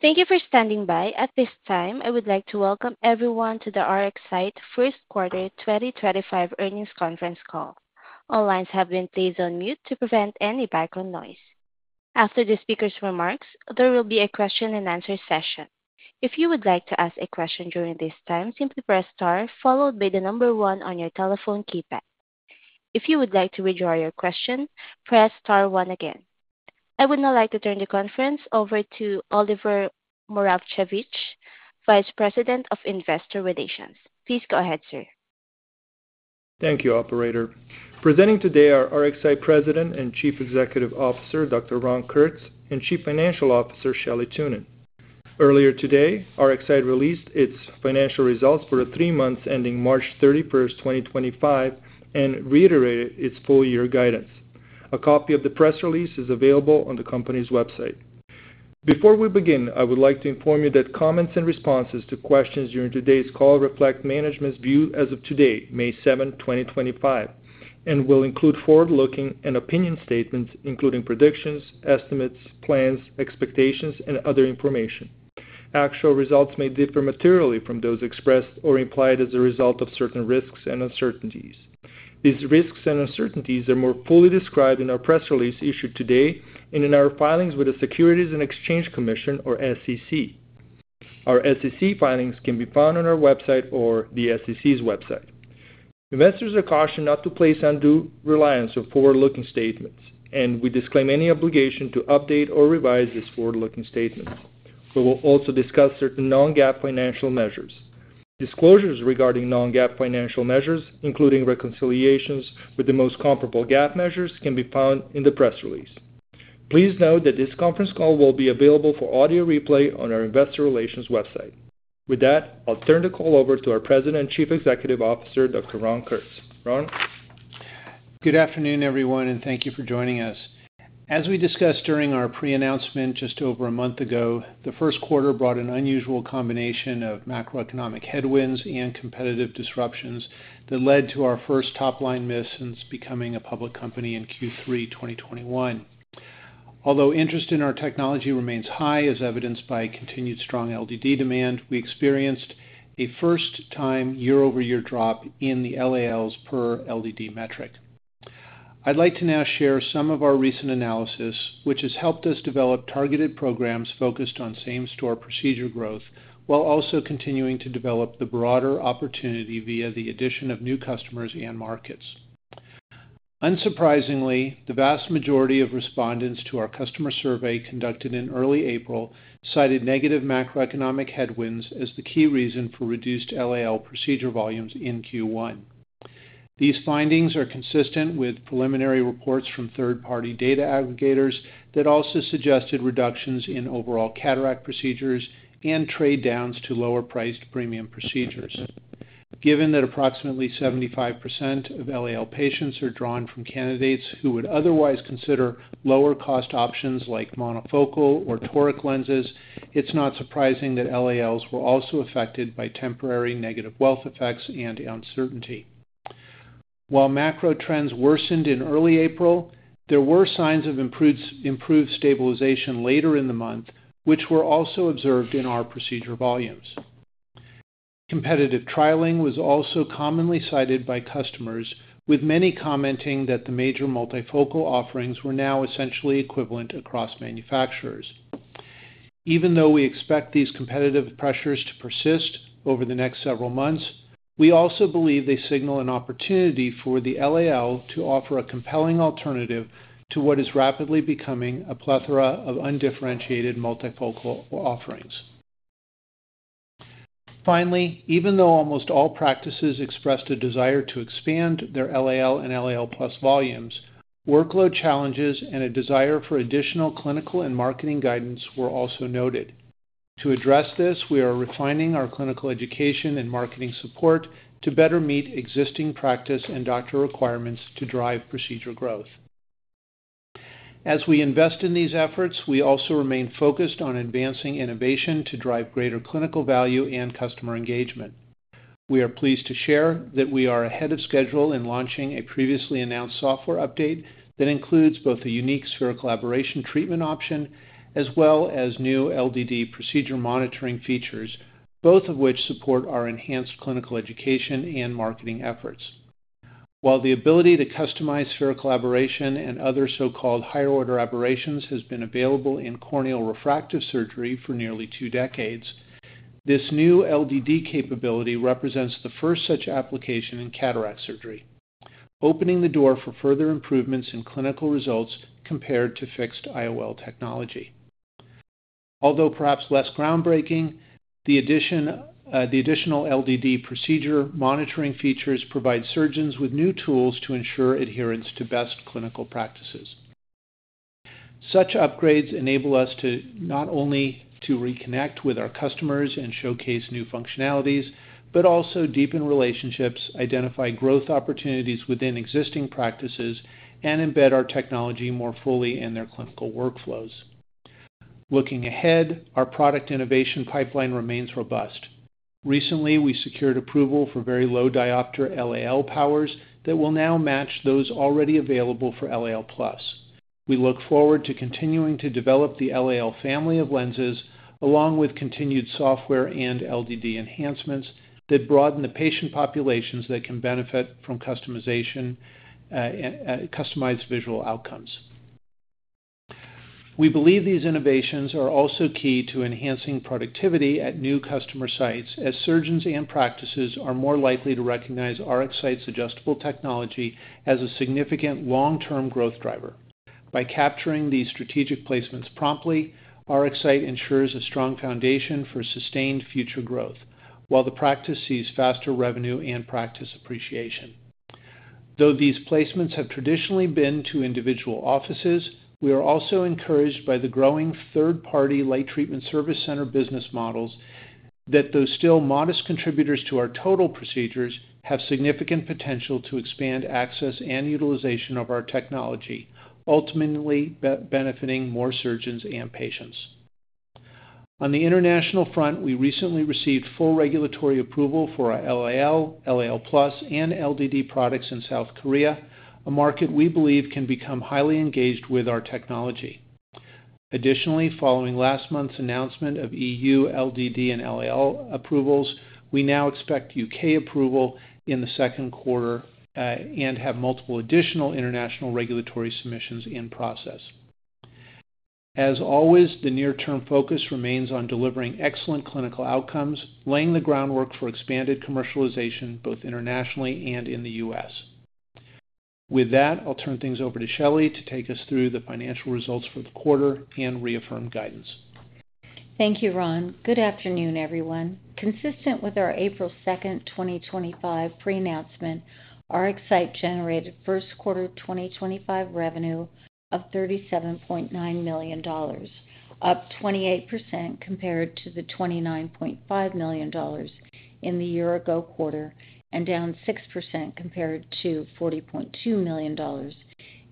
Thank you for standing by. At this time, I would like to welcome everyone to the RxSight first quarter 2025 earnings conference call. All lines have been placed on mute to prevent any background noise. After the speaker's remarks, there will be a question-and-answer session. If you would like to ask a question during this time, simply press star followed by the number one on your telephone keypad. If you would like to withdraw your question, press star one again. I would now like to turn the conference over to Oliver Moravcevic, Vice President of Investor Relations. Please go ahead, sir. Thank you, Operator. Presenting today are RxSight President and Chief Executive Officer Dr. Ron Kurtz and Chief Financial Officer Shelley Thunen. Earlier today, RxSight released its financial results for the three months ending March 31st, 2025, and reiterated its full-year guidance. A copy of the press release is available on the company's website. Before we begin, I would like to inform you that comments and responses to questions during today's call reflect management's view as of today, May 7, 2025, and will include forward-looking and opinion statements, including predictions, estimates, plans, expectations, and other information. Actual results may differ materially from those expressed or implied as a result of certain risks and uncertainties. These risks and uncertainties are more fully described in our press release issued today and in our filings with the Securities and Exchange Commission, or SEC. Our SEC filings can be found on our website or the SEC's website. Investors are cautioned not to place undue reliance on forward-looking statements, and we disclaim any obligation to update or revise these forward-looking statements. We will also discuss certain non-GAAP financial measures. Disclosures regarding non-GAAP financial measures, including reconciliations with the most comparable GAAP measures, can be found in the press release. Please note that this conference call will be available for audio replay on our Investor Relations website. With that, I'll turn the call over to our President and Chief Executive Officer, Dr. Ron Kurtz. Ron? Good afternoon, everyone, and thank you for joining us. As we discussed during our pre-announcement just over a month ago, the first quarter brought an unusual combination of macroeconomic headwinds and competitive disruptions that led to our first top-line miss since becoming a public company in Q3 2021. Although interest in our technology remains high, as evidenced by continued strong LDD demand, we experienced a first-time year-over-year drop in the LAL's per-LDD metric. I'd like to now share some of our recent analysis, which has helped us develop targeted programs focused on same-store procedure growth while also continuing to develop the broader opportunity via the addition of new customers and markets. Unsurprisingly, the vast majority of respondents to our customer survey conducted in early April cited negative macroeconomic headwinds as the key reason for reduced LAL procedure volumes in Q1. These findings are consistent with preliminary reports from third-party data aggregators that also suggested reductions in overall cataract procedures and trade-downs to lower-priced premium procedures. Given that approximately 75% of LAL patients are drawn from candidates who would otherwise consider lower-cost options like monofocal or toric lenses, it's not surprising that LALs were also affected by temporary negative wealth effects and uncertainty. While macro trends worsened in early April, there were signs of improved stabilization later in the month, which were also observed in our procedure volumes. Competitive trialing was also commonly cited by customers, with many commenting that the major multifocal offerings were now essentially equivalent across manufacturers. Even though we expect these competitive pressures to persist over the next several months, we also believe they signal an opportunity for the LAL to offer a compelling alternative to what is rapidly becoming a plethora of undifferentiated multifocal offerings. Finally, even though almost all practices expressed a desire to expand their LAL and LAL+ volumes, workload challenges and a desire for additional clinical and marketing guidance were also noted. To address this, we are refining our clinical education and marketing support to better meet existing practice and doctor requirements to drive procedure growth. As we invest in these efforts, we also remain focused on advancing innovation to drive greater clinical value and customer engagement. We are pleased to share that we are ahead of schedule in launching a previously announced software update that includes both a unique spherical aberration treatment option as well as new LDD procedure monitoring features, both of which support our enhanced clinical education and marketing efforts. While the ability to customize spherical aberration and other so-called higher-order aberrations has been available in corneal refractive surgery for nearly two decades, this new LDD capability represents the first such application in cataract surgery, opening the door for further improvements in clinical results compared to fixed IOL technology. Although perhaps less groundbreaking, the additional LDD procedure monitoring features provide surgeons with new tools to ensure adherence to best clinical practices. Such upgrades enable us not only to reconnect with our customers and showcase new functionalities but also deepen relationships, identify growth opportunities within existing practices, and embed our technology more fully in their clinical workflows. Looking ahead, our product innovation pipeline remains robust. Recently, we secured approval for very low-diopter LAL powers that will now match those already available for LAL+. We look forward to continuing to develop the LAL family of lenses along with continued software and LDD enhancements that broaden the patient populations that can benefit from customized visual outcomes. We believe these innovations are also key to enhancing productivity at new customer sites as surgeons and practices are more likely to recognize RxSight's adjustable technology as a significant long-term growth driver. By capturing these strategic placements promptly, RxSight ensures a strong foundation for sustained future growth while the practice sees faster revenue and practice appreciation. Though these placements have traditionally been to individual offices, we are also encouraged by the growing third-party light treatment service center business models that, though still modest contributors to our total procedures, have significant potential to expand access and utilization of our technology, ultimately benefiting more surgeons and patients. On the international front, we recently received full regulatory approval for our LAL, LAL+, and LDD products in South Korea, a market we believe can become highly engaged with our technology. Additionally, following last month's announcement of EU LDD and LAL approvals, we now expect U.K. approval in the second quarter and have multiple additional international regulatory submissions in process. As always, the near-term focus remains on delivering excellent clinical outcomes, laying the groundwork for expanded commercialization both internationally and in the U.S. With that, I'll turn things over to Shelley to take us through the financial results for the quarter and reaffirm guidance. Thank you, Ron. Good afternoon, everyone. Consistent with our April 2nd, 2025, pre-announcement, RxSight generated Q1 2025 revenue of $37.9 million, up 28% compared to the $29.5 million in the year-ago quarter and down 6% compared to $40.2 million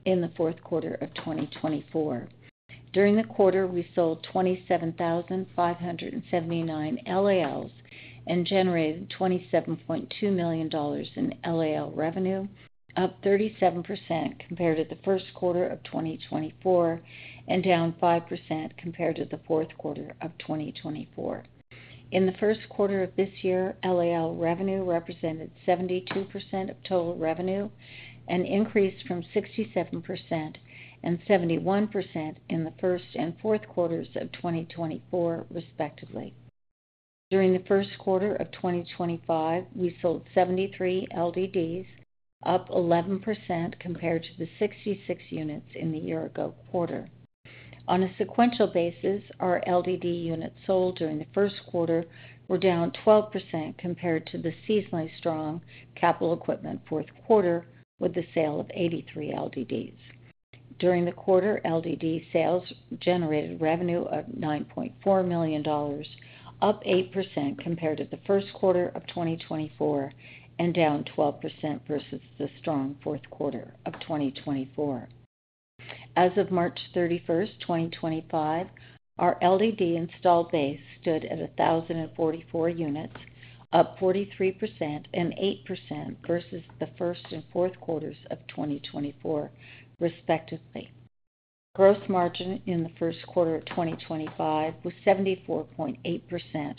in Q4 of 2024. During the quarter, we sold 27,579 LALs and generated $27.2 million in LAL revenue, up 37% compared to Q1 of 2024 and down 5% compared to Q4 of 2024. In Q1 of this year, LAL revenue represented 72% of total revenue, an increase from 67% and 71% in Q1 and Q4 of 2024, respectively. During Q1 of 2025, we sold 73 LDDs, up 11% compared to the 66 units in the year-ago quarter. On a sequential basis, our LDD units sold during Q1 were down 12% compared to the seasonally strong capital equipment Q4, with the sale of 83 LDDs. During the quarter, LDD sales generated revenue of $9.4 million, up 8% compared to Q1 of 2024 and down 12% versus the strong Q4 of 2024. As of March 31st, 2025, our LDD installed base stood at 1,044 units, up 43% and 8% versus the Q1 and Q4 of 2024, respectively. Gross margin in the Q1 of 2025 was 74.8%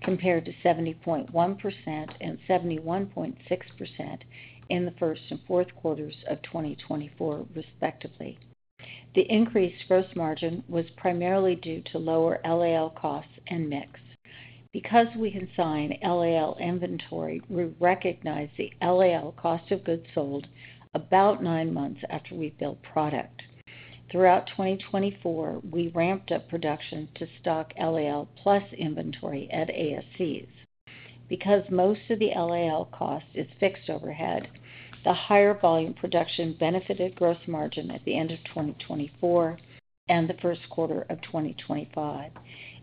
compared to 70.1% and 71.6% in the Q1 and Q4 of 2024, respectively. The increased gross margin was primarily due to lower LAL costs and mix. Because we consign LAL inventory, we recognize the LAL cost of goods sold about nine months after we bill product. Throughout 2024, we ramped up production to stock LAL+ inventory at ASCs. Because most of the LAL cost is fixed overhead, the higher volume production benefited gross margin at the end of 2024 and the Q1 of 2025.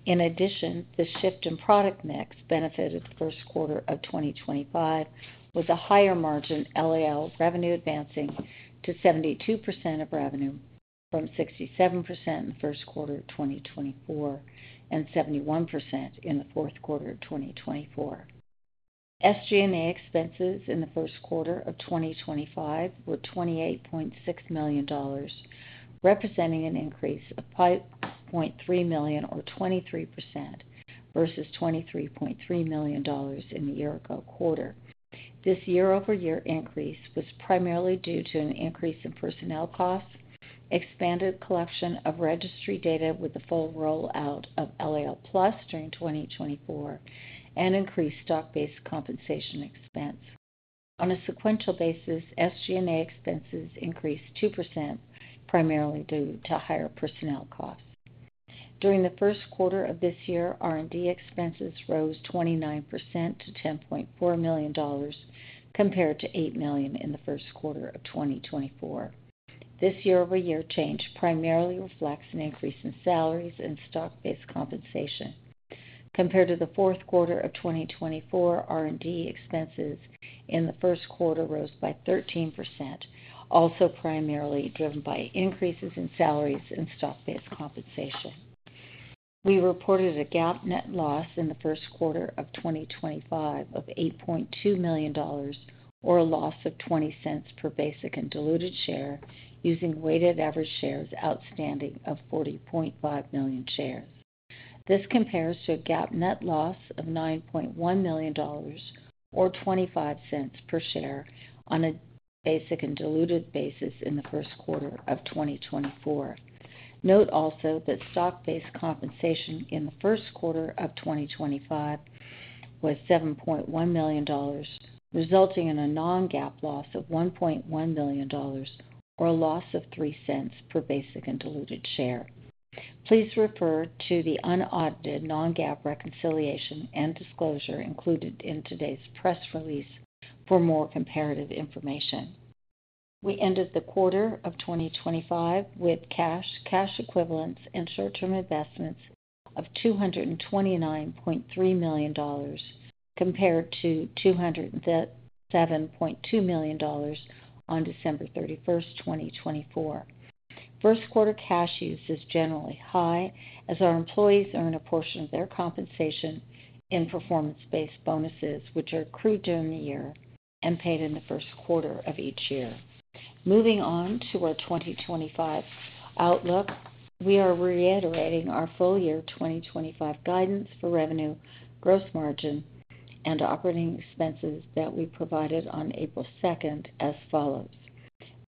In addition, the shift in product mix benefited first quarter of 2025, with a higher margin LAL revenue advancing to 72% of revenue from 67% in Q1 of 2024 and 71% in Q4 of 2024. SG&A expenses in Q1 of 2025 were $28.6 million, representing an increase of $5.3 million, or 23%, versus $23.3 million in the year-ago quarter. This year-over-year increase was primarily due to an increase in personnel costs, expanded collection of registry data with the full rollout of LAL+ during 2024, and increased stock-based compensation expense. On a sequential basis, SG&A expenses increased 2%, primarily due to higher personnel costs. During Q1 of this year, R&D expenses rose 29% to $10.4 million compared to $8 million in Q1 of 2024. This year-over-year change primarily reflects an increase in salaries and stock-based compensation. Compared to Q4 of 2024, R&D expenses in the Q1 rose by 13%, also primarily driven by increases in salaries and stock-based compensation. We reported a GAAP net loss in the Q1 of 2025 of $8.2 million, or a loss of $0.20 per basic and diluted share, using weighted average shares outstanding of 40.5 million shares. This compares to a GAAP net loss of $9.1 million, or $0.25 per share, on a basic and diluted basis in the Q1 of 2024. Note also that stock-based compensation in the Q1 of 2025 was $7.1 million, resulting in a non-GAAP loss of $1.1 million, or a loss of $0.03 per basic and diluted share. Please refer to the unaudited non-GAAP reconciliation and disclosure included in today's press release for more comparative information. We ended the quarter of 2025 with cash, cash equivalents, and short-term investments of $229.3 million compared to $207.2 million on December 31st, 2024. Q1 cash use is generally high as our employees earn a portion of their compensation in performance-based bonuses, which are accrued during the year and paid in the first quarter of each year. Moving on to our 2025 outlook, we are reiterating our full year 2025 guidance for revenue, gross margin, and operating expenses that we provided on April 2nd as follows: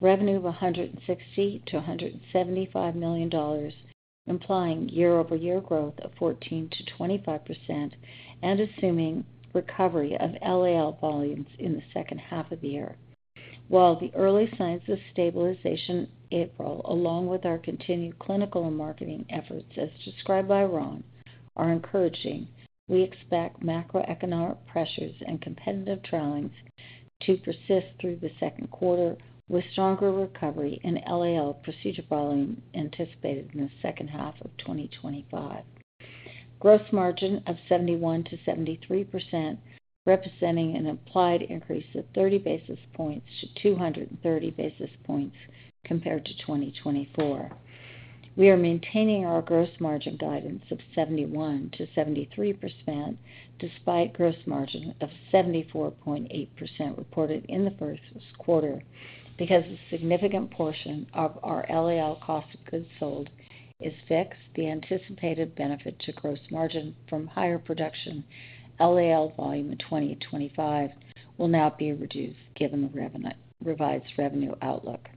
revenue of $160 million-$175 million, implying year-over-year growth of 14%-25% and assuming recovery of LAL volumes in the second half of the year. While the early signs of stabilization in April, along with our continued clinical and marketing efforts as described by Ron, are encouraging, we expect macroeconomic pressures and competitive trialings to persist through the second quarter, with stronger recovery in LAL procedure volume anticipated in the second half of 2025. Gross margin of 71%-73%, representing an implied increase of 30 basis points to 230 basis points compared to 2024. We are maintaining our gross margin guidance of 71%-73% despite gross margin of 74.8% reported in the first quarter. Because a significant portion of our LAL cost of goods sold is fixed, the anticipated benefit to gross margin from higher production LAL volume in 2025 will now be reduced given the revised revenue outlook.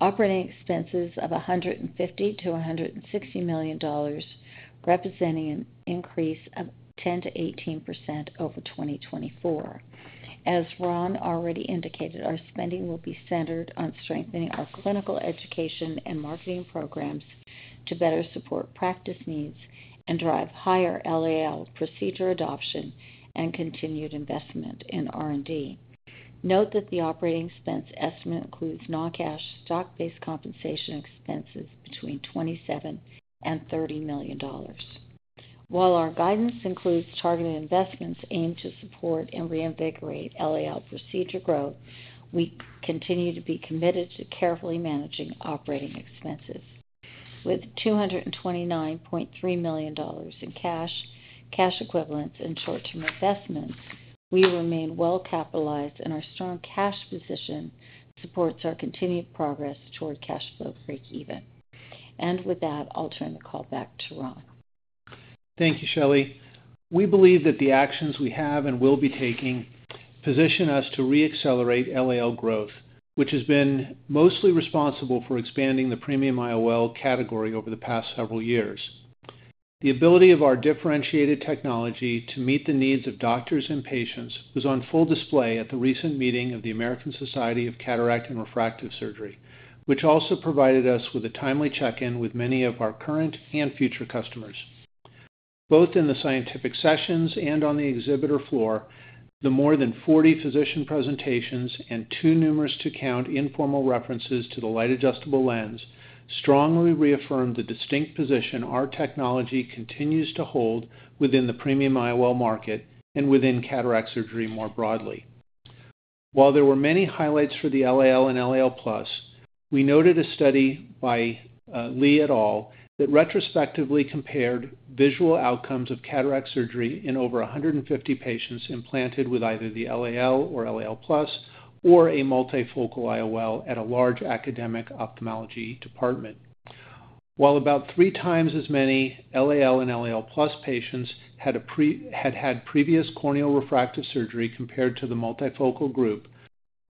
Operating expenses of $150 million-$160 million, representing an increase of 10%-18% over 2024. As Ron already indicated, our spending will be centered on strengthening our clinical education and marketing programs to better support practice needs and drive higher LAL procedure adoption and continued investment in R&D. Note that the operating expense estimate includes non-cash stock-based compensation expenses between $27 million-$30 million. While our guidance includes targeted investments aimed to support and reinvigorate LAL procedure growth, we continue to be committed to carefully managing operating expenses. With $229.3 million in cash, cash equivalents, and short-term investments, we remain well-capitalized and our strong cash position supports our continued progress toward cash flow break-even. With that, I'll turn the call back to Ron. Thank you, Shelley. We believe that the actions we have and will be taking position us to re-accelerate LAL growth, which has been mostly responsible for expanding the premium IOL category over the past several years. The ability of our differentiated technology to meet the needs of doctors and patients was on full display at the recent meeting of the American Society of Cataract and Refractive Surgery, which also provided us with a timely check-in with many of our current and future customers. Both in the scientific sessions and on the exhibitor floor, the more than 40 physician presentations and too numerous to count informal references to the Light Adjustable Lens strongly reaffirmed the distinct position our technology continues to hold within the premium IOL market and within cataract surgery more broadly. While there were many highlights for the LAL and LAL+, we noted a study by Lee et al. that retrospectively compared visual outcomes of cataract surgery in over 150 patients implanted with either the LAL or LAL+ or a multifocal IOL at a large academic ophthalmology department. While about three times as many LAL and LAL+ patients had had previous corneal refractive surgery compared to the multifocal group,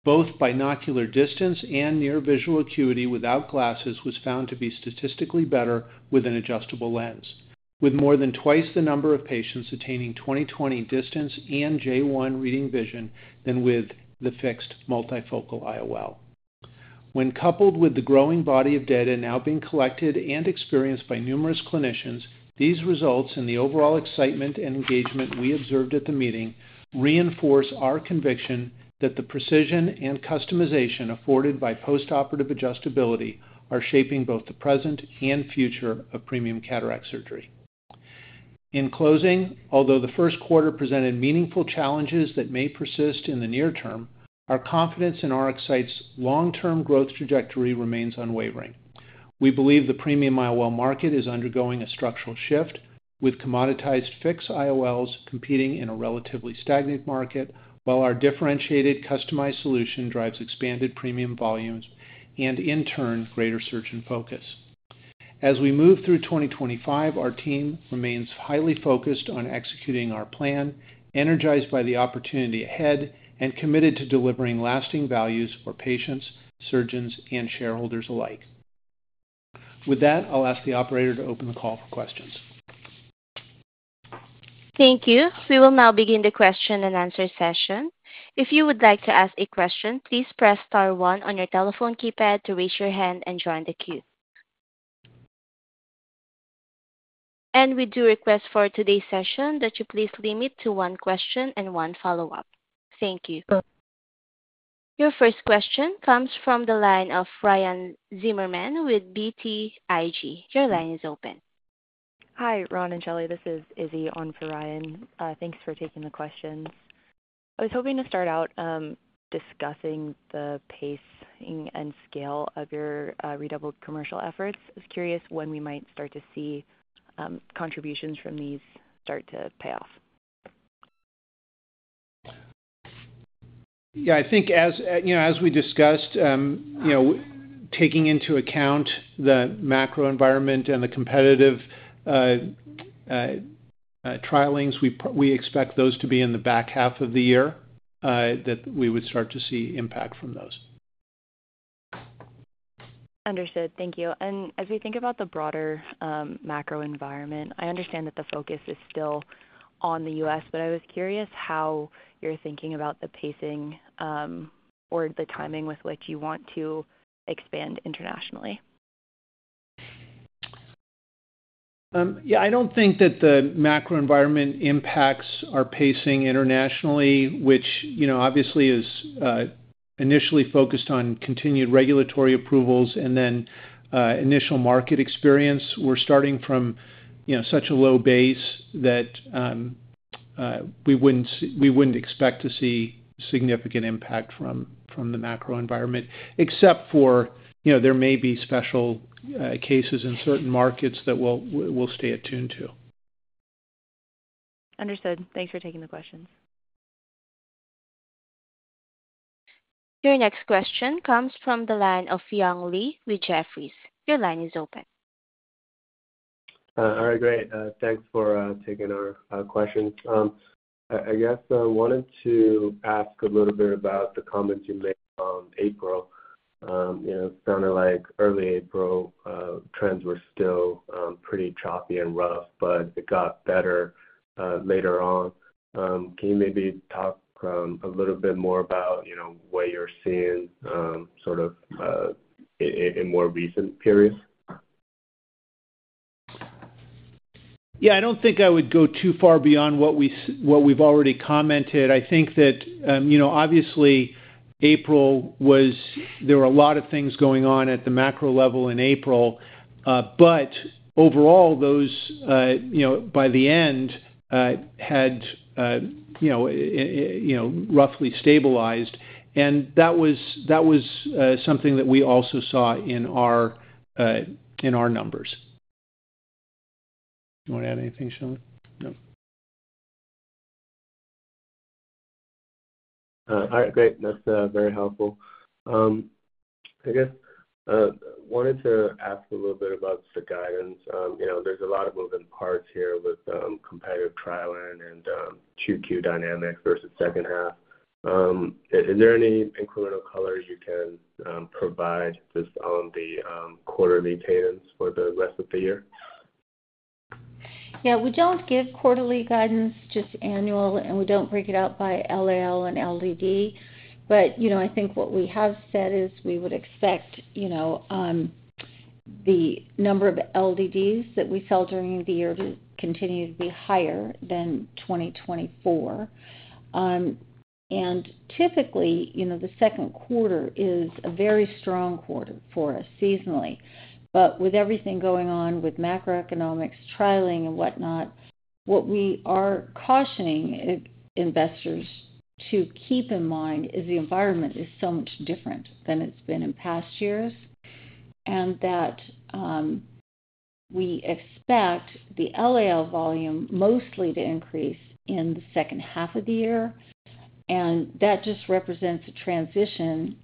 both binocular distance and near visual acuity without glasses was found to be statistically better with an adjustable lens, with more than twice the number of patients attaining 20/20 distance and J1 reading vision than with the fixed multifocal IOL. When coupled with the growing body of data now being collected and experienced by numerous clinicians, these results and the overall excitement and engagement we observed at the meeting reinforce our conviction that the precision and customization afforded by postoperative adjustability are shaping both the present and future of premium cataract surgery. In closing, although the Q1 presented meaningful challenges that may persist in the near term, our confidence in RxSight's long-term growth trajectory remains unwavering. We believe the premium IOL market is undergoing a structural shift, with commoditized fixed IOLs competing in a relatively stagnant market, while our differentiated customized solution drives expanded premium volumes and, in turn, greater surgeon focus. As we move through 2025, our team remains highly focused on executing our plan, energized by the opportunity ahead, and committed to delivering lasting values for patients, surgeons, and shareholders alike. With that, I'll ask the operator to open the call for questions. Thank you. We will now begin the question-and-answer session. If you would like to ask a question, please press star one on your telephone keypad to raise your hand and join the queue. We do request for today's session that you please limit to one question and one follow-up. Thank you. Your first question comes from the line of Ryan Zimmerman with BTIG. Your line is open. Hi, Ron and Shelley. This is Izzy on for Ryan. Thanks for taking the questions. I was hoping to start out discussing the pace and scale of your re-doubled commercial efforts. I was curious when we might start to see contributions from these start to pay off. Yeah, I think, as we discussed, taking into account the macro environment and the competitive trialings, we expect those to be in the back half of the year that we would start to see impact from those. Understood. Thank you. As we think about the broader macro environment, I understand that the focus is still on the U.S., but I was curious how you're thinking about the pacing or the timing with which you want to expand internationally. Yeah, I don't think that the macro environment impacts our pacing internationally, which obviously is initially focused on continued regulatory approvals and then initial market experience. We're starting from such a low base that we wouldn't expect to see significant impact from the macro environment, except for there may be special cases in certain markets that we'll stay attuned to. Understood. Thanks for taking the questions. Your next question comes from the line of Young Li with Jefferies. Your line is open. All right. Great. Thanks for taking our questions. I guess I wanted to ask a little bit about the comments you made on April. It sounded like early April trends were still pretty choppy and rough, but it got better later on. Can you maybe talk a little bit more about what you're seeing sort of in more recent periods? Yeah, I do not think I would go too far beyond what we have already commented. I think that, obviously, April was, there were a lot of things going on at the macro level in April, but overall, those by the end had roughly stabilized. That was something that we also saw in our numbers. You want to add anything, Shelley? No. All right. Great. That's very helpful. I guess I wanted to ask a little bit about the guidance. There's a lot of moving parts here with competitive trialing and Q2 dynamics versus second half. Is there any incremental colors you can provide just on the quarterly cadence for the rest of the year? Yeah, we don't give quarterly guidance, just annual, and we don't break it out by LAL and LDD. I think what we have said is we would expect the number of LDDs that we sell during the year to continue to be higher than 2024. Typically, the second quarter is a very strong quarter for us seasonally. With everything going on with macroeconomics, trialing, and whatnot, what we are cautioning investors to keep in mind is the environment is so much different than it's been in past years, and that we expect the LAL volume mostly to increase in the second half of the year. That just represents a transition,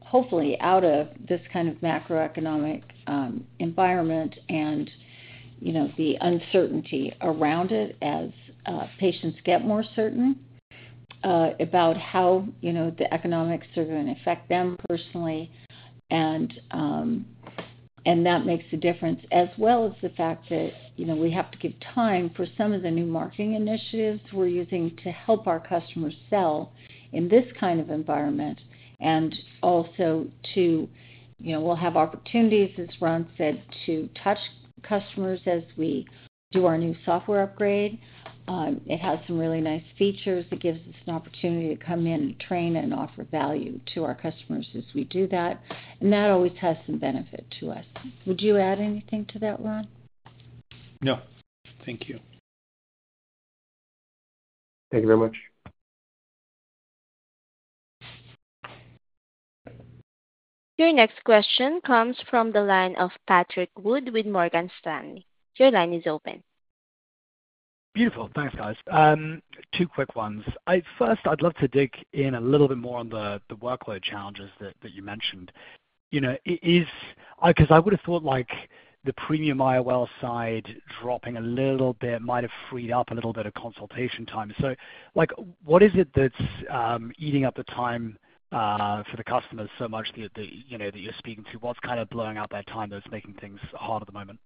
hopefully, out of this kind of macroeconomic environment and the uncertainty around it as patients get more certain about how the economics are going to affect them personally. That makes a difference, as well as the fact that we have to give time for some of the new marketing initiatives we're using to help our customers sell in this kind of environment. Also, we will have opportunities, as Ron said, to touch customers as we do our new software upgrade. It has some really nice features. It gives us an opportunity to come in and train and offer value to our customers as we do that. That always has some benefit to us. Would you add anything to that, Ron? No. Thank you. Thank you very much. Your next question comes from the line of Patrick Wood with Morgan Stanley. Your line is open. Beautiful. Thanks, guys. Two quick ones. First, I'd love to dig in a little bit more on the workload challenges that you mentioned. Because I would have thought the premium IOL side dropping a little bit might have freed up a little bit of consultation time. What is it that's eating up the time for the customers so much that you're speaking to? What's kind of blowing up that time that's making things hard at the moment?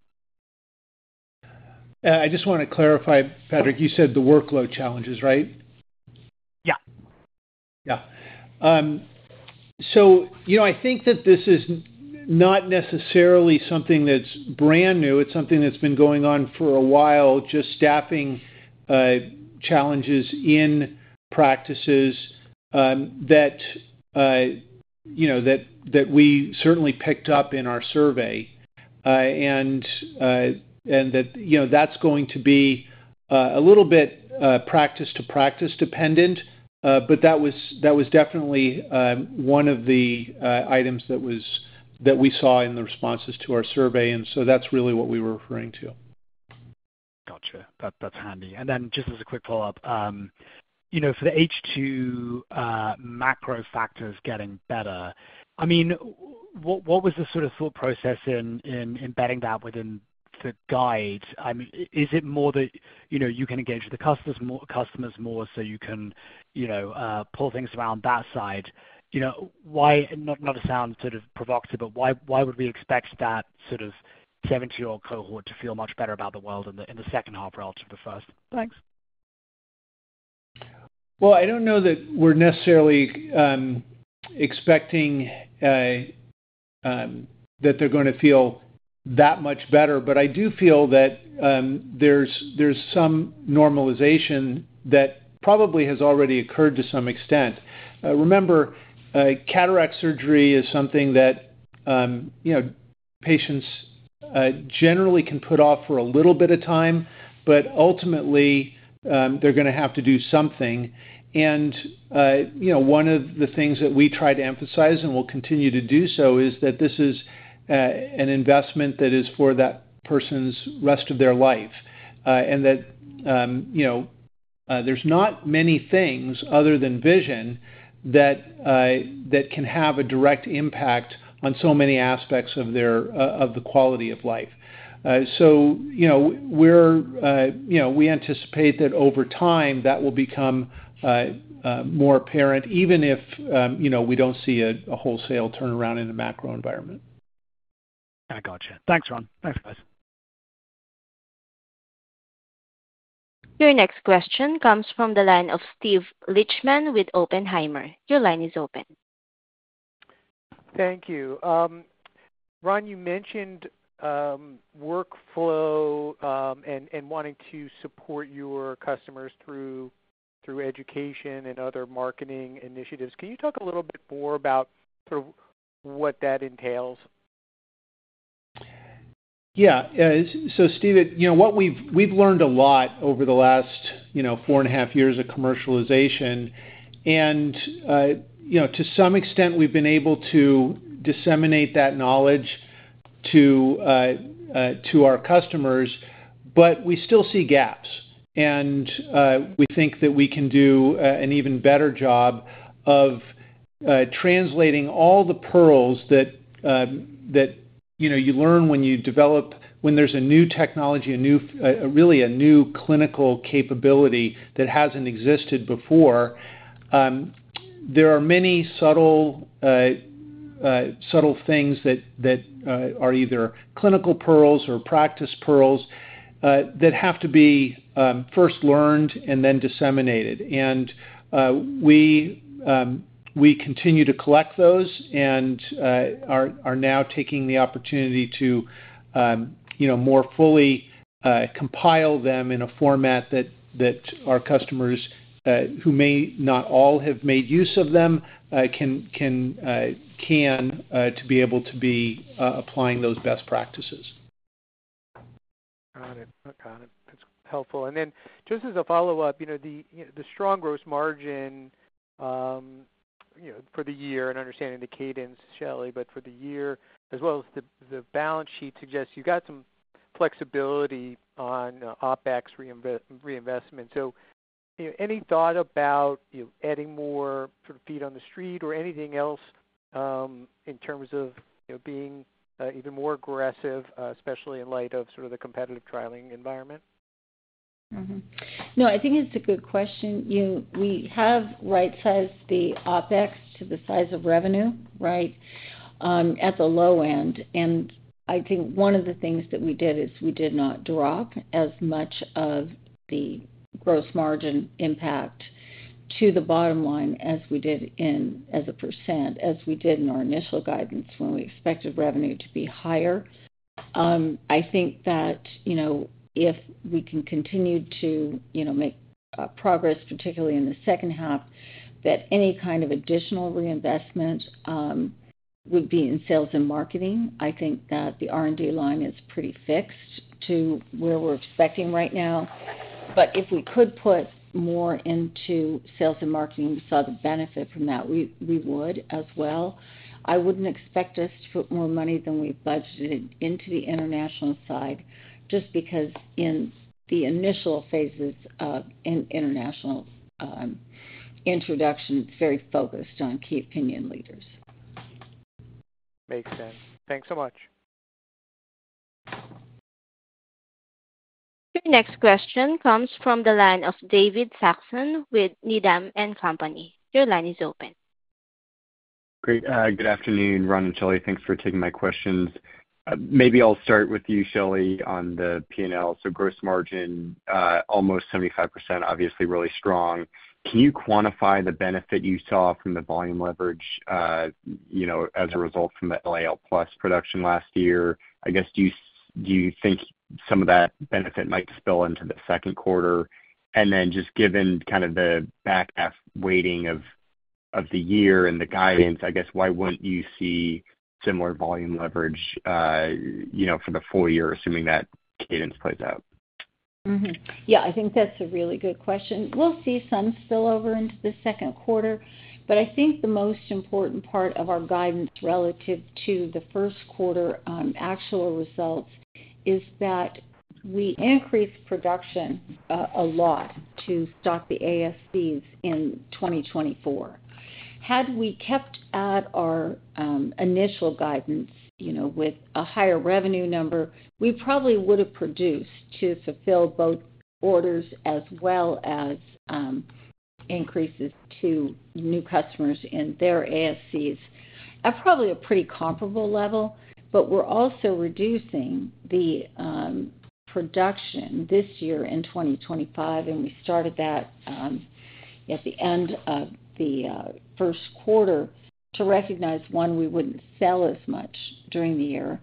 I just want to clarify, Patrick, you said the workload challenges, right? Yeah. Yeah. I think that this is not necessarily something that's brand new. It's something that's been going on for a while, just staffing challenges in practices that we certainly picked up in our survey, and that's going to be a little bit practice-to-practice dependent. That was definitely one of the items that we saw in the responses to our survey. That is really what we were referring to. Gotcha. That is handy. And then just as a quick follow-up, for the H2 macro factors getting better, I mean, what was the sort of thought process in embedding that within the guide? Is it more that you can engage with the customers more so you can pull things around that side? Not to sound sort of provocative, but why would we expect that sort of 70-year-old cohort to feel much better about the world in the second half relative to the first? Thanks. I don't know that we're necessarily expecting that they're going to feel that much better, but I do feel that there's some normalization that probably has already occurred to some extent. Remember, cataract surgery is something that patients generally can put off for a little bit of time, but ultimately, they're going to have to do something. One of the things that we try to emphasize and will continue to do so is that this is an investment that is for that person's rest of their life and that there's not many things other than vision that can have a direct impact on so many aspects of the quality of life. We anticipate that over time, that will become more apparent, even if we don't see a wholesale turnaround in the macro environment. I gotcha. Thanks, Ron. Thanks, guys. Your next question comes from the line of Steve Lichtman with Oppenheimer. Your line is open. Thank you. Ron, you mentioned workflow and wanting to support your customers through education and other marketing initiatives. Can you talk a little bit more about sort of what that entails? Yeah. Steve, what we've learned a lot over the last four and a half years of commercialization. To some extent, we've been able to disseminate that knowledge to our customers, but we still see gaps. We think that we can do an even better job of translating all the pearls that you learn when you develop, when there's a new technology, really a new clinical capability that hasn't existed before. There are many subtle things that are either clinical pearls or practice pearls that have to be first learned and then disseminated. We continue to collect those and are now taking the opportunity to more fully compile them in a format that our customers, who may not all have made use of them, can to be able to be applying those best practices. Got it. Got it. That's helpful. And then just as a follow-up, the strong gross margin for the year and understanding the cadence, Shelley, but for the year, as well as the balance sheet suggests you've got some flexibility on OpEx reinvestment. So any thought about adding more sort of feet on the street or anything else in terms of being even more aggressive, especially in light of sort of the competitive trialing environment? No, I think it's a good question. We have right-sized the OpEx to the size of revenue, right, at the low end. I think one of the things that we did is we did not drop as much of the gross margin impact to the bottom line as we did in, as a percent, as we did in our initial guidance when we expected revenue to be higher. I think that if we can continue to make progress, particularly in the second half, that any kind of additional reinvestment would be in sales and marketing. I think that the R&D line is pretty fixed to where we're expecting right now. If we could put more into sales and marketing, we saw the benefit from that, we would as well. I wouldn't expect us to put more money than we budgeted into the international side just because in the initial phases of international introduction, it's very focused on key opinion leaders. Makes sense. Thanks so much. Your next question comes from the line of David Saxon with Needham & Company. Your line is open. Great. Good afternoon, Ron and Shelley. Thanks for taking my questions. Maybe I'll start with you, Shelley, on the P&L. So gross margin, almost 75%, obviously really strong. Can you quantify the benefit you saw from the volume leverage as a result from the LAL+ production last year? I guess, do you think some of that benefit might spill into the second quarter? And then just given kind of the back-half weighting of the year and the guidance, I guess, why wouldn't you see similar volume leverage for the full year, assuming that cadence plays out? Yeah, I think that's a really good question. We'll see some spillover into the second quarter. I think the most important part of our guidance relative to the first quarter actual results is that we increased production a lot to stock the ASCs in 2024. Had we kept at our initial guidance with a higher revenue number, we probably would have produced to fulfill both orders as well as increases to new customers in their ASCs at probably a pretty comparable level. We're also reducing the production this year in 2025, and we started that at the end of the first quarter to recognize, one, we wouldn't sell as much during the year.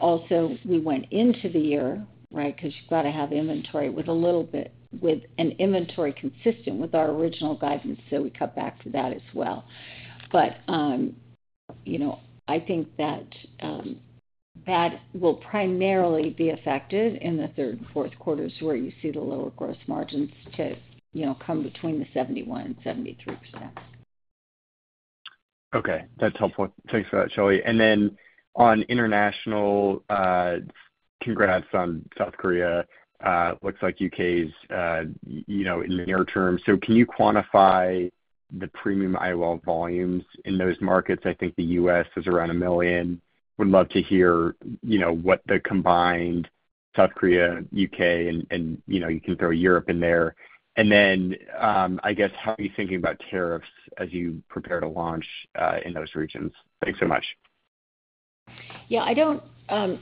Also, we went into the year, right, because you've got to have inventory with a little bit with an inventory consistent with our original guidance. We cut back for that as well. I think that that will primarily be affected in the third and fourth quarters where you see the lower gross margins come between the 71%-73%. Okay. That's helpful. Thanks for that, Shelley. And then on international, congrats on South Korea. Looks like U.K.'s in the near term. So can you quantify the premium IOL volumes in those markets? I think the U.S. is around 1 million. Would love to hear what the combined South Korea, U.K., and you can throw Europe in there. And then I guess, how are you thinking about tariffs as you prepare to launch in those regions? Thanks so much. Yeah, I don't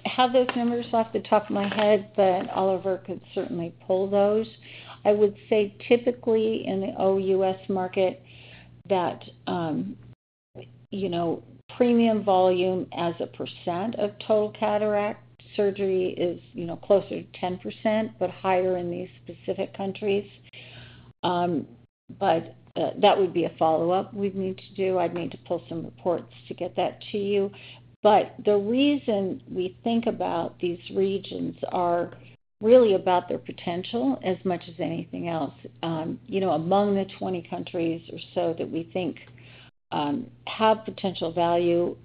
have those numbers off the top of my head, but Oliver could certainly pull those. I would say typically in the OUS market that premium volume as a percent of total cataract surgery is closer to 10%, but higher in these specific countries. That would be a follow-up we'd need to do. I'd need to pull some reports to get that to you. The reason we think about these regions is really about their potential as much as anything else. Among the 20 countries or so that we think have potential value,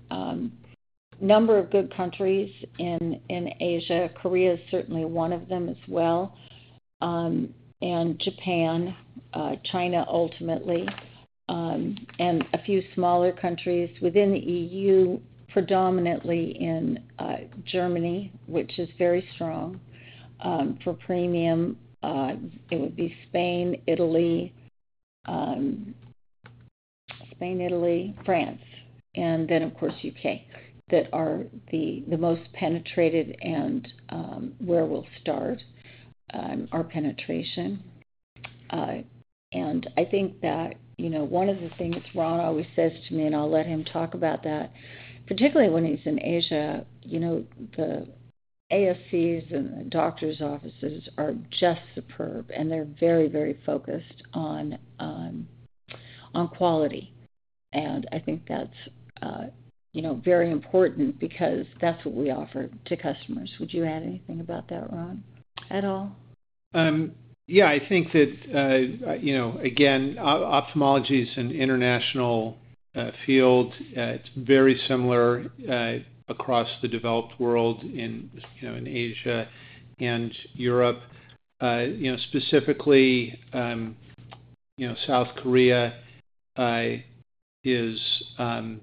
number of good countries in Asia, Korea is certainly one of them as well, and Japan, China ultimately, and a few smaller countries within the EU, predominantly in Germany, which is very strong for premium. It would be Spain, Italy, France, and then, of course, U.K. that are the most penetrated and where we'll start our penetration. I think that one of the things Ron always says to me, and I'll let him talk about that, particularly when he's in Asia, the ASCs and the doctor's offices are just superb, and they're very, very focused on quality. I think that's very important because that's what we offer to customers. Would you add anything about that, Ron, at all? Yeah. I think that, again, ophthalmology is an international field. It's very similar across the developed world in Asia and Europe. Specifically, South Korea is a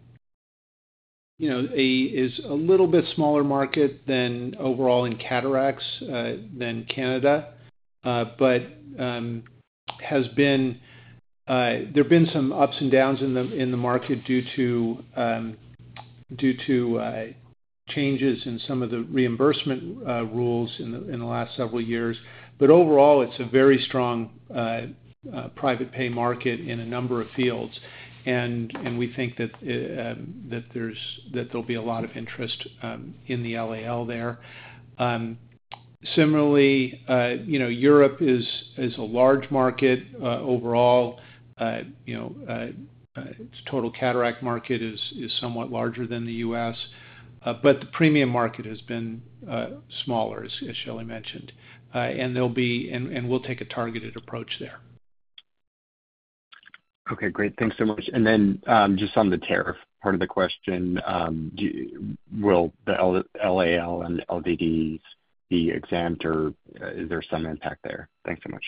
little bit smaller market than overall in cataracts than Canada, but there have been some ups and downs in the market due to changes in some of the reimbursement rules in the last several years. Overall, it's a very strong private-pay market in a number of fields. We think that there'll be a lot of interest in the LAL there. Similarly, Europe is a large market overall. Its total cataract market is somewhat larger than the U.S., but the premium market has been smaller, as Shelley mentioned. We'll take a targeted approach there. Okay. Great. Thanks so much. And then just on the tariff part of the question, will the LAL and LDDs be exempt, or is there some impact there? Thanks so much.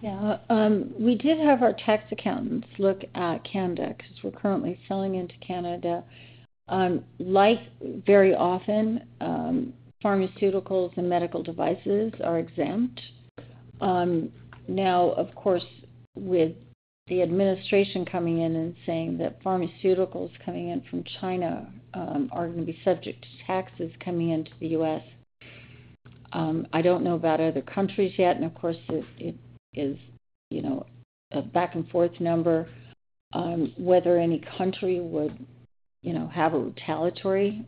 Yeah. We did have our tax accountants look at Canada because we're currently selling into Canada. Like very often, pharmaceuticals and medical devices are exempt. Now, of course, with the administration coming in and saying that pharmaceuticals coming in from China are going to be subject to taxes coming into the U.S., I don't know about other countries yet. Of course, it is a back-and-forth number whether any country would have a retaliatory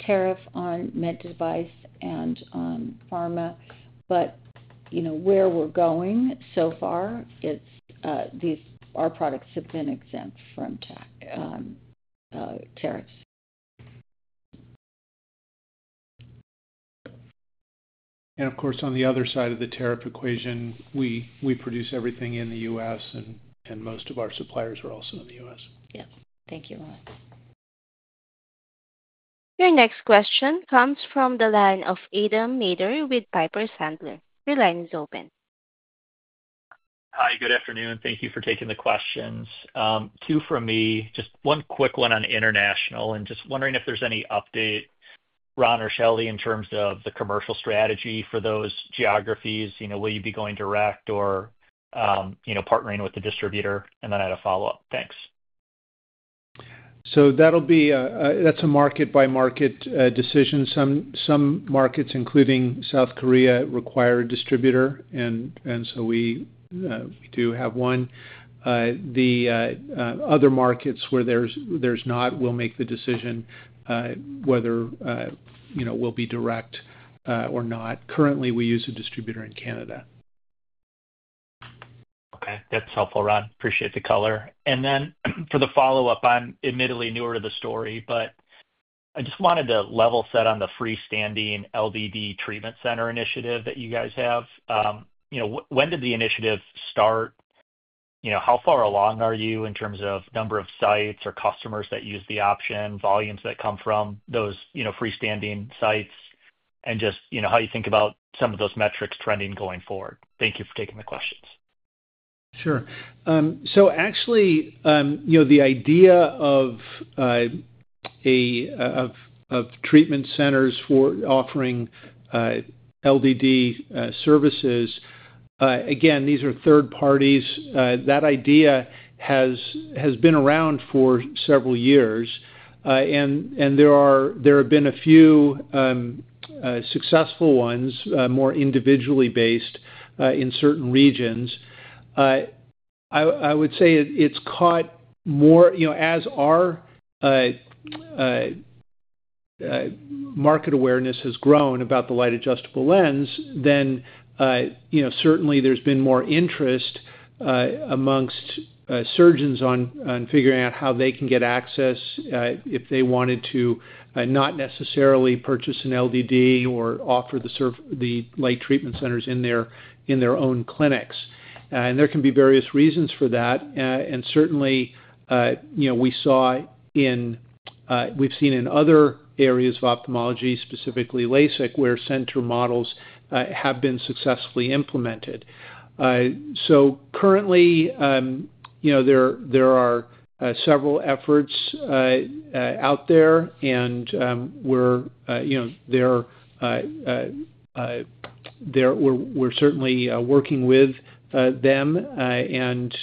tariff on med device and pharma. Where we're going so far, our products have been exempt from tariffs. Of course, on the other side of the tariff equation, we produce everything in the U.S., and most of our suppliers are also in the U.S. Yes. Thank you, Ron. Your next question comes from the line of Adam Maeder with Piper Sandler. Your line is open. Hi. Good afternoon. Thank you for taking the questions. Two from me. Just one quick one on international, and just wondering if there's any update, Ron or Shelley, in terms of the commercial strategy for those geographies. Will you be going direct or partnering with the distributor? I had a follow-up. Thanks. That's a market-by-market decision. Some markets, including South Korea, require a distributor, and so we do have one. The other markets where there's not, we'll make the decision whether we'll be direct or not. Currently, we use a distributor in Canada. Okay. That's helpful, Ron. Appreciate the color. For the follow-up, I'm admittedly newer to the story, but I just wanted to level set on the freestanding LDD treatment center initiative that you guys have. When did the initiative start? How far along are you in terms of number of sites or customers that use the option, volumes that come from those freestanding sites, and just how you think about some of those metrics trending going forward? Thank you for taking the questions. Sure. Actually, the idea of treatment centers for offering LDD services, again, these are third parties. That idea has been around for several years, and there have been a few successful ones, more individually based in certain regions. I would say it has caught more as our market awareness has grown about the Light Adjustable Lens, then certainly there has been more interest amongst surgeons on figuring out how they can get access if they wanted to not necessarily purchase an LDD or offer the light treatment centers in their own clinics. There can be various reasons for that. Certainly, we have seen in other areas of ophthalmology, specifically LASIK, where center models have been successfully implemented. Currently, there are several efforts out there, and we are certainly working with them and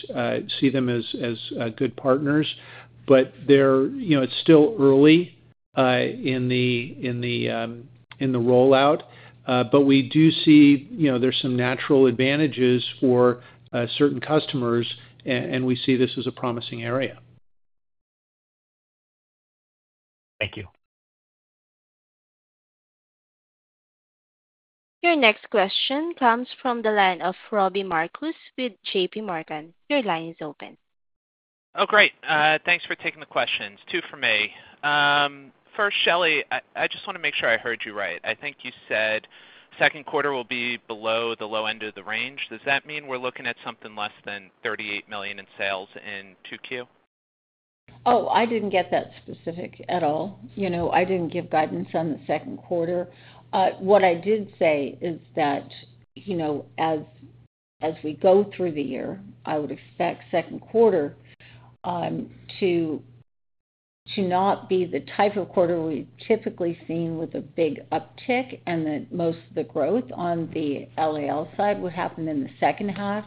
see them as good partners. It is still early in the rollout, but we do see there are some natural advantages for certain customers, and we see this as a promising area. Thank you. Your next question comes from the line of Robbie Marcus with JPMorgan. Your line is open. Oh, great. Thanks for taking the questions. Two from me. First, Shelley, I just want to make sure I heard you right. I think you said second quarter will be below the low end of the range. Does that mean we're looking at something less than $38 million in sales in 2Q? Oh, I didn't get that specific at all. I didn't give guidance on the second quarter. What I did say is that as we go through the year, I would expect second quarter to not be the type of quarter we've typically seen with a big uptick, and that most of the growth on the LAL side would happen in the second half.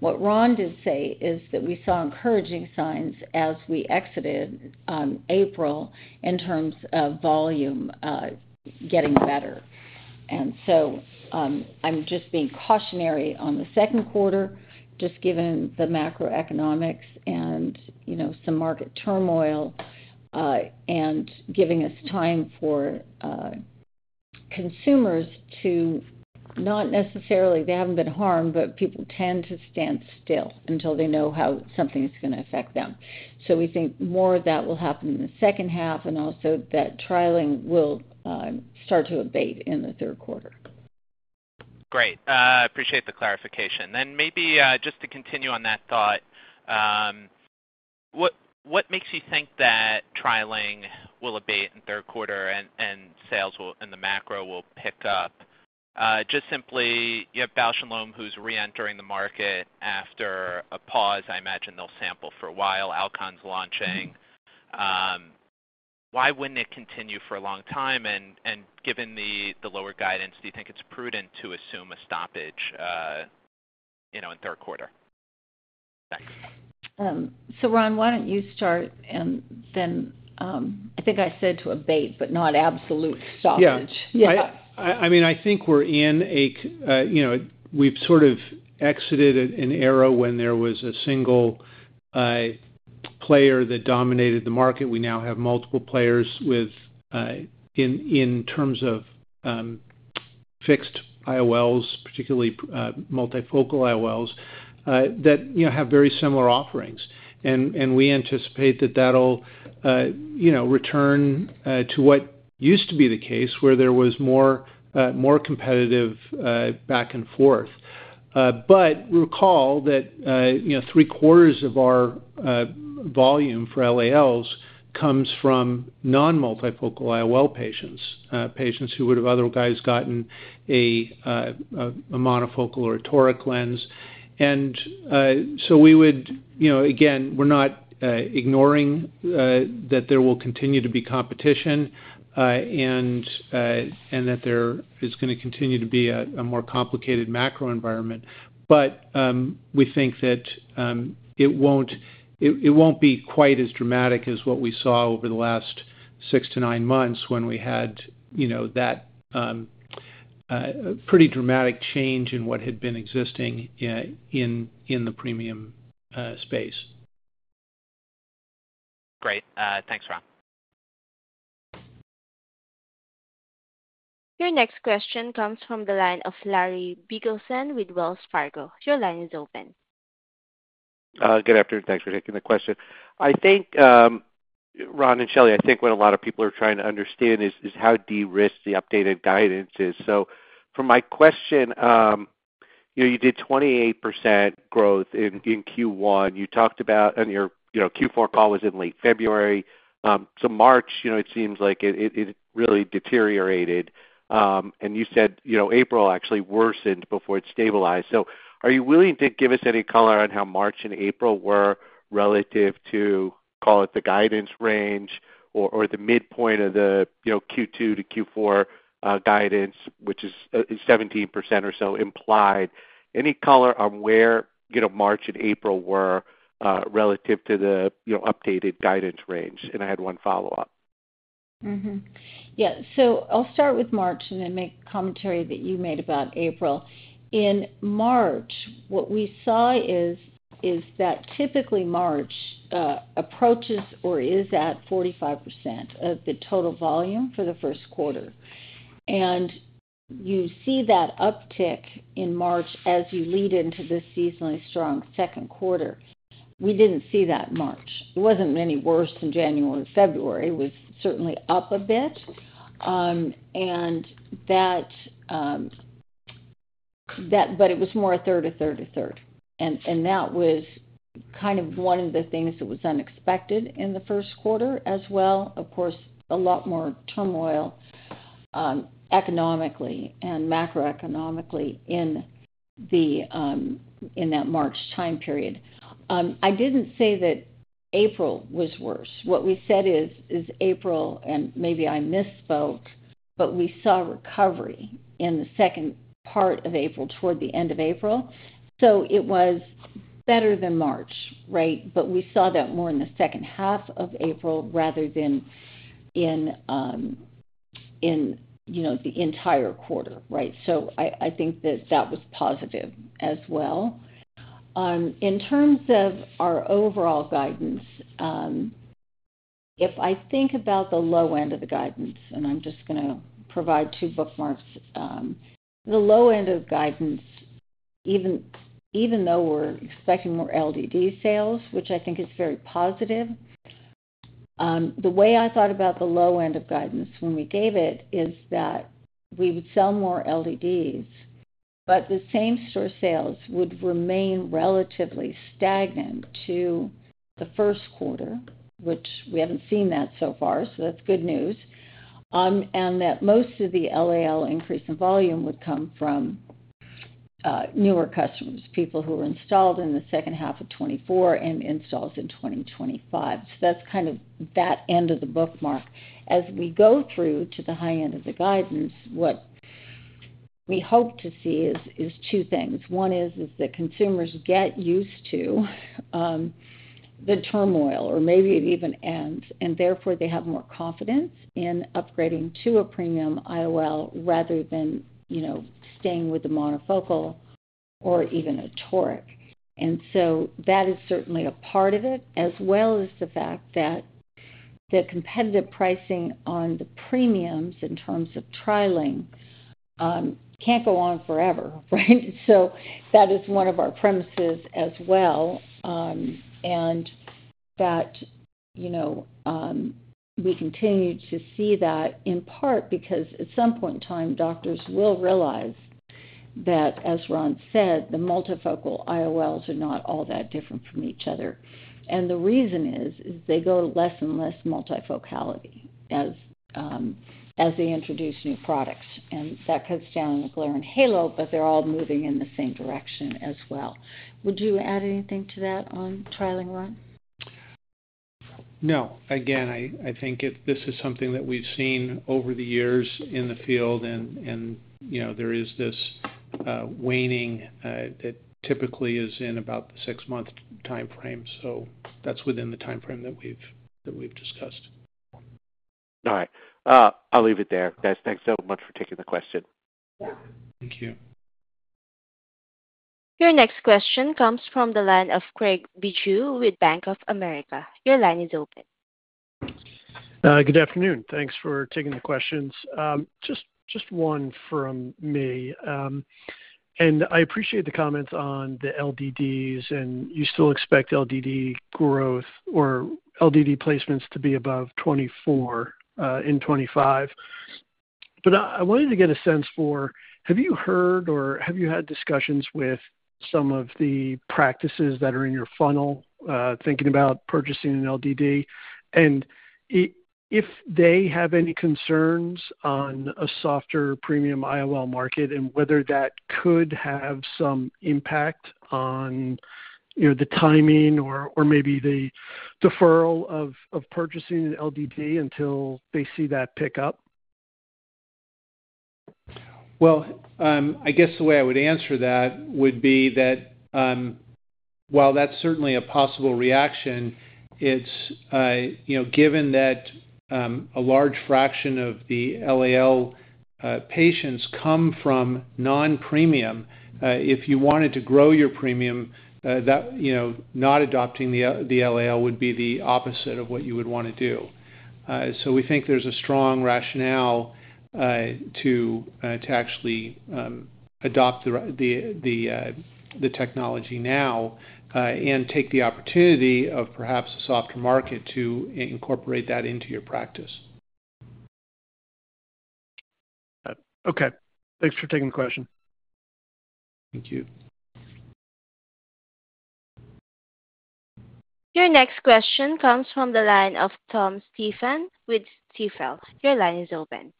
What Ron did say is that we saw encouraging signs as we exited April in terms of volume getting better. I'm just being cautionary on the second quarter, just given the macroeconomics and some market turmoil and giving us time for consumers to not necessarily—they haven't been harmed, but people tend to stand still until they know how something is going to affect them. We think more of that will happen in the second half, and also that trialing will start to abate in the third quarter. Great. I appreciate the clarification. Maybe just to continue on that thought, what makes you think that trialing will abate in third quarter and sales in the macro will pick up? Just simply, you have Bausch & Lomb who's re-entering the market after a pause. I imagine they'll sample for a while. Alcon's launching. Why wouldn't it continue for a long time? Given the lower guidance, do you think it's prudent to assume a stoppage in third quarter? Thanks. Ron, why do not you start, and then I think I said to abate, but not absolute stoppage. Yeah. I mean, I think we're in a—we've sort of exited an era when there was a single player that dominated the market. We now have multiple players in terms of fixed IOLs, particularly multifocal IOLs, that have very similar offerings. We anticipate that that'll return to what used to be the case where there was more competitive back and forth. Recall that three-quarters of our volume for LALs comes from non-multifocal IOL patients, patients who would have otherwise gotten a monofocal or a toric lens. We would, again, we're not ignoring that there will continue to be competition and that there is going to continue to be a more complicated macro environment. We think that it won't be quite as dramatic as what we saw over the last six to nine months when we had that pretty dramatic change in what had been existing in the premium space. Great. Thanks, Ron. Your next question comes from the line of Larry Biegelsen with Wells Fargo. Your line is open. Good afternoon. Thanks for taking the question. I think, Ron and Shelley, I think what a lot of people are trying to understand is how de-risk the updated guidance is. For my question, you did 28% growth in Q1. You talked about—and your Q4 call was in late February. March, it seems like it really deteriorated. You said April actually worsened before it stabilized. Are you willing to give us any color on how March and April were relative to, call it the guidance range or the midpoint of the Q2 to Q4 guidance, which is 17% or so implied? Any color on where March and April were relative to the updated guidance range? I had one follow-up. Yeah. I'll start with March and then make commentary that you made about April. In March, what we saw is that typically March approaches or is at 45% of the total volume for the first quarter. You see that uptick in March as you lead into the seasonally strong second quarter. We did not see that in March. It was not any worse in January or February. It was certainly up a bit. It was more a third, a third, a third. That was kind of one of the things that was unexpected in the first quarter as well. Of course, a lot more turmoil economically and macroeconomically in that March time period. I did not say that April was worse. What we said is April, and maybe I misspoke, but we saw recovery in the second part of April toward the end of April. It was better than March, right? We saw that more in the second half of April rather than in the entire quarter, right? I think that that was positive as well. In terms of our overall guidance, if I think about the low end of the guidance, and I am just going to provide two bookmarks, the low end of guidance, even though we are expecting more LDD sales, which I think is very positive, the way I thought about the low end of guidance when we gave it is that we would sell more LDDs, but the same store sales would remain relatively stagnant to the first quarter, which we have not seen that so far. That is good news. Most of the LAL increase in volume would come from newer customers, people who are installed in the second half of 2024 and installs in 2025. That's kind of that end of the bookmark. As we go through to the high end of the guidance, what we hope to see is two things. One is that consumers get used to the turmoil, or maybe it even ends, and therefore they have more confidence in upgrading to a premium IOL rather than staying with the monofocal or even a toric. That is certainly a part of it, as well as the fact that the competitive pricing on the premiums in terms of trialing can't go on forever, right? That is one of our premises as well. We continue to see that in part because at some point in time, doctors will realize that, as Ron said, the multifocal IOLs are not all that different from each other. The reason is they go less and less multifocality as they introduce new products. That cuts down on the glare and halo, but they are all moving in the same direction as well. Would you add anything to that on trialing, Ron? No. Again, I think this is something that we've seen over the years in the field, and there is this waning that typically is in about the six-month time frame. That is within the time frame that we've discussed. All right. I'll leave it there. Guys, thanks so much for taking the question. Yeah. Thank you. Your next question comes from the line of Craig Bijou with Bank of America. Your line is open. Good afternoon. Thanks for taking the questions. Just one from me. I appreciate the comments on the LDDs, and you still expect LDD growth or LDD placements to be above 24 in 2025. I wanted to get a sense for, have you heard or have you had discussions with some of the practices that are in your funnel thinking about purchasing an LDD? If they have any concerns on a softer premium IOL market and whether that could have some impact on the timing or maybe the deferral of purchasing an LDD until they see that pick up? I guess the way I would answer that would be that while that's certainly a possible reaction, it's given that a large fraction of the LAL patients come from non-premium, if you wanted to grow your premium, not adopting the LAL would be the opposite of what you would want to do. We think there's a strong rationale to actually adopt the technology now and take the opportunity of perhaps a softer market to incorporate that into your practice. Okay. Thanks for taking the question. Thank you. Your next question comes from the line of Tom Stephan with Stifel. Your line is open.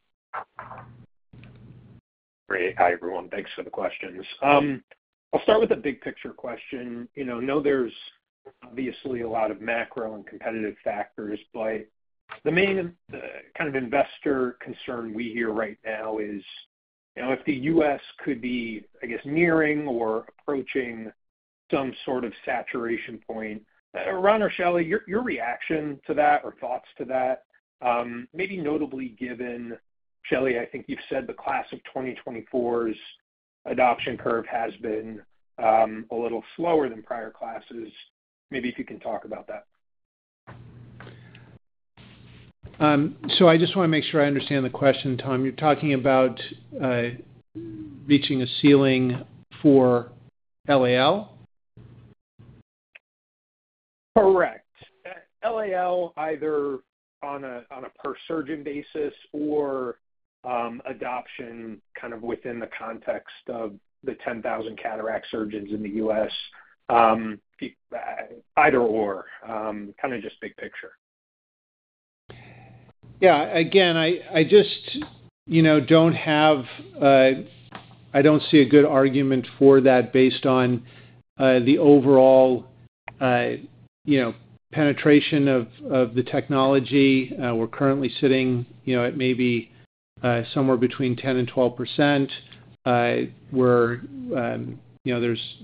Great. Hi, everyone. Thanks for the questions. I'll start with a big picture question. I know there's obviously a lot of macro and competitive factors, but the main kind of investor concern we hear right now is if the U.S. could be, I guess, nearing or approaching some sort of saturation point. Ron or Shelley, your reaction to that or thoughts to that, maybe notably given, Shelley, I think you've said the class of 2024's adoption curve has been a little slower than prior classes. Maybe if you can talk about that. I just want to make sure I understand the question, Tom. You're talking about reaching a ceiling for LAL? Correct. LAL either on a per-surgeon basis or adoption kind of within the context of the 10,000 cataract surgeons in the U.S. Either/or, kind of just big picture. Yeah. Again, I just don't have—I don't see a good argument for that based on the overall penetration of the technology. We're currently sitting at maybe somewhere between 10% and 12%, where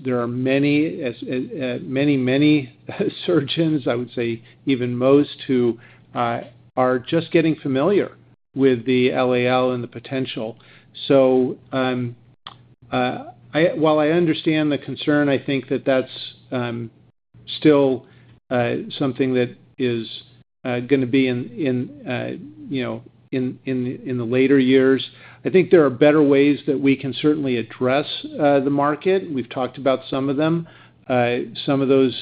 there are many, many surgeons, I would say even most, who are just getting familiar with the LAL and the potential. So while I understand the concern, I think that that's still something that is going to be in the later years. I think there are better ways that we can certainly address the market. We've talked about some of them. Some of those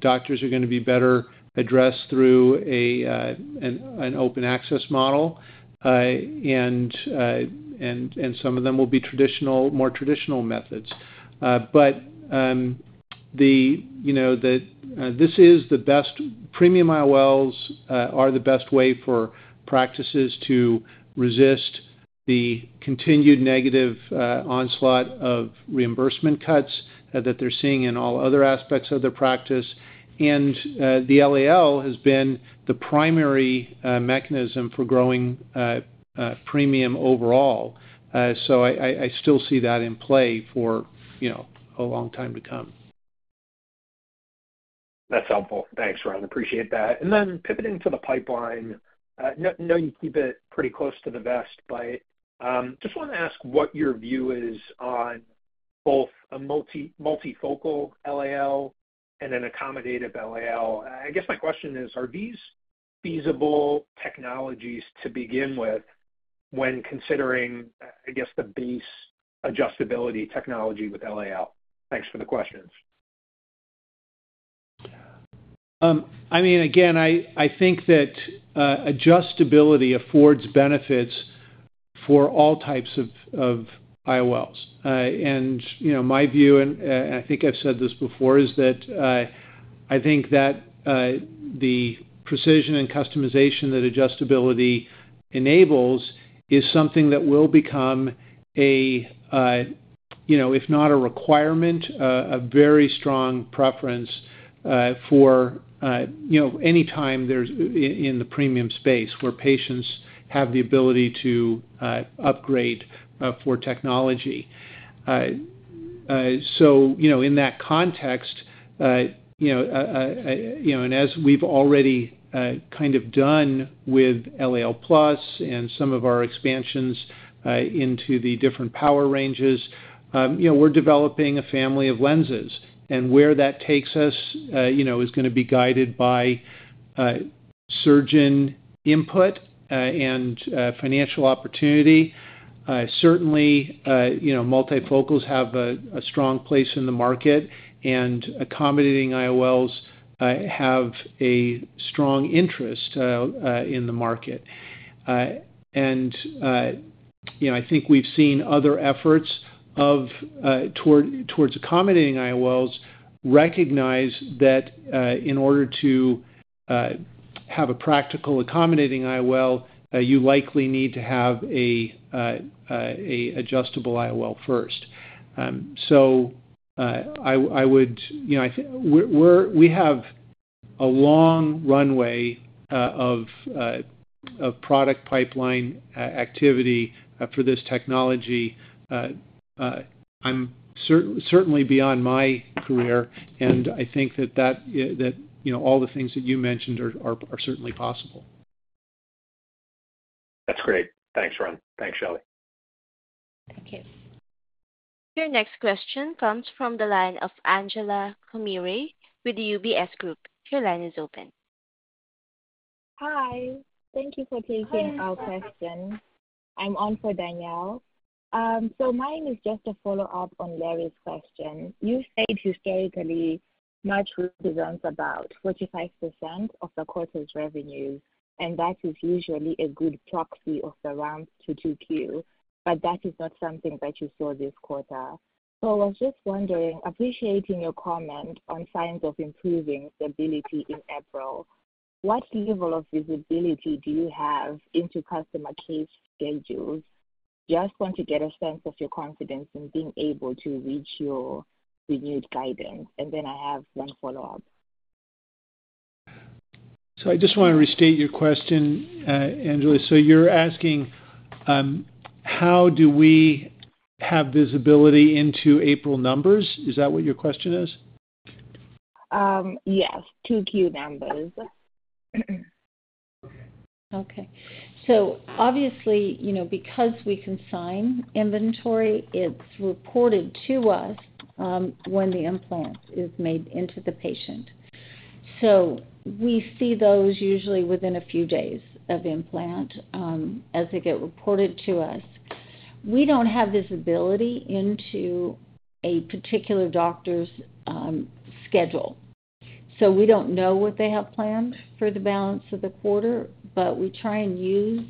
doctors are going to be better addressed through an open access model. And some of them will be more traditional methods. This is the best—premium IOLs are the best way for practices to resist the continued negative onslaught of reimbursement cuts that they're seeing in all other aspects of their practice. The LAL has been the primary mechanism for growing premium overall. I still see that in play for a long time to come. That's helpful. Thanks, Ron. Appreciate that. Pivoting to the pipeline, I know you keep it pretty close to the vest, but I just want to ask what your view is on both a multifocal LAL and an accommodative LAL. I guess my question is, are these feasible technologies to begin with when considering, I guess, the base adjustability technology with LAL? Thanks for the questions. I mean, again, I think that adjustability affords benefits for all types of IOLs. In my view, and I think I've said this before, I think that the precision and customization that adjustability enables is something that will become a, if not a requirement, a very strong preference for any time in the premium space where patients have the ability to upgrade for technology. In that context, and as we've already kind of done with LAL+ and some of our expansions into the different power ranges, we're developing a family of lenses. Where that takes us is going to be guided by surgeon input and financial opportunity. Certainly, multifocals have a strong place in the market, and accommodating IOLs have a strong interest in the market. I think we've seen other efforts towards accommodating IOLs recognize that in order to have a practical accommodating IOL, you likely need to have an adjustable IOL first. I would say we have a long runway of product pipeline activity for this technology. I'm certainly beyond my career, and I think that all the things that you mentioned are certainly possible. That's great. Thanks, Ron. Thanks, Shelley. Thank you. Your next question comes from the line of Angela Kumirai with UBS Group. Your line is open. Hi. Thank you for taking our question. I'm on for Danielle. My name is just a follow-up on Larry's question. You said historically March represents about 45% of the quarter's revenue, and that is usually a good proxy of the round to Q2, but that is not something that you saw this quarter. I was just wondering, appreciating your comment on signs of improving stability in April, what level of visibility do you have into customer case schedules? I just want to get a sense of your confidence in being able to reach your renewed guidance. I have one follow-up. I just want to restate your question, Angela. You're asking how do we have visibility into April numbers? Is that what your question is? Yes. Q2 numbers. Okay. Okay. Obviously, because we consign inventory, it is reported to us when the implant is made into the patient. We see those usually within a few days of implant as they get reported to us. We do not have visibility into a particular doctor's schedule. We do not know what they have planned for the balance of the quarter, but we try and use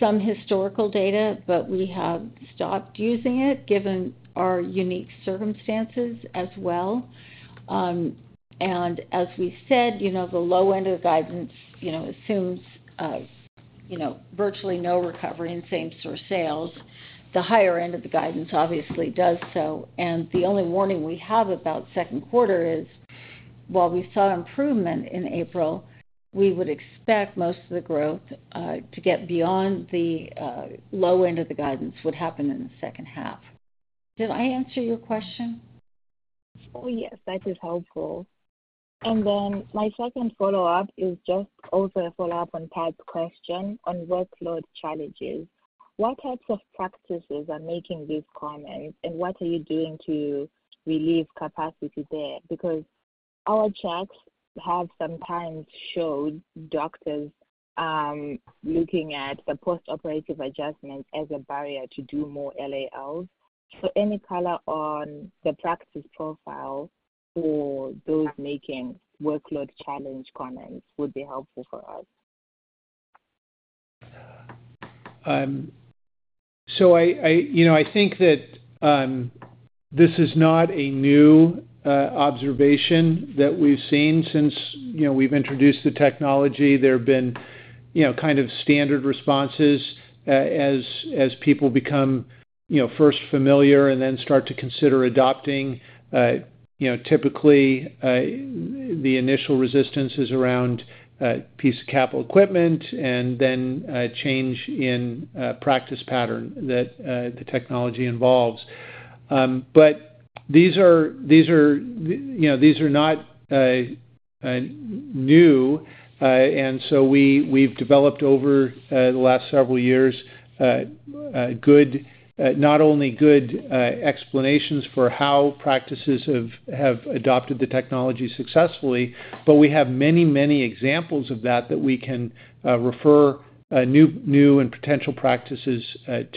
some historical data, but we have stopped using it given our unique circumstances as well. As we said, the low end of the guidance assumes virtually no recovery in same-store sales. The higher end of the guidance obviously does. The only warning we have about second quarter is, while we saw improvement in April, we would expect most of the growth to get beyond the low end of the guidance would happen in the second half. Did I answer your question? Oh, yes. That is helpful. My second follow-up is just also a follow-up on Pat's question on workload challenges. What types of practices are making these comments, and what are you doing to relieve capacity there? Because our charts have sometimes showed doctors looking at the post-operative adjustment as a barrier to do more LALs. Any color on the practice profile for those making workload challenge comments would be helpful for us. I think that this is not a new observation that we've seen. Since we've introduced the technology, there have been kind of standard responses as people become first familiar and then start to consider adopting. Typically, the initial resistance is around piece of capital equipment and then change in practice pattern that the technology involves. These are not new, and we've developed over the last several years not only good explanations for how practices have adopted the technology successfully, but we have many, many examples of that that we can refer new and potential practices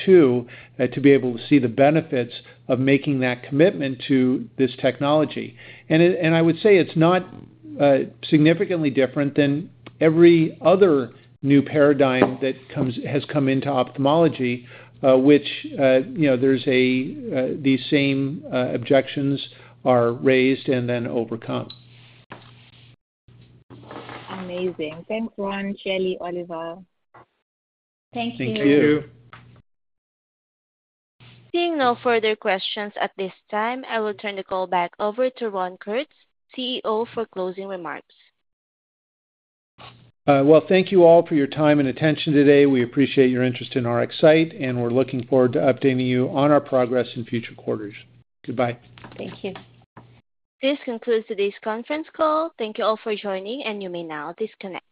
to to be able to see the benefits of making that commitment to this technology. I would say it's not significantly different than every other new paradigm that has come into ophthalmology, which there's these same objections are raised and then overcome. Amazing. Thanks, Ron, Shelley, Oliver. Thank you. Thank you. Thank you. Being no further questions at this time, I will turn the call back over to Ron Kurtz, CEO, for closing remarks. Thank you all for your time and attention today. We appreciate your interest in RxSight, and we're looking forward to updating you on our progress in future quarters. Goodbye. Thank you. This concludes today's conference call. Thank you all for joining, and you may now disconnect.